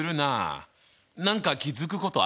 何か気付くことある？